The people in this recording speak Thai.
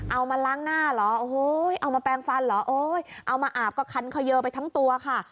เอามาล้างหน้าเหรอโอ้โหเอามาแปลงฟันเหรอโอ้ยเอามาอาบก็คันเขยอไปทั้งตัวค่ะ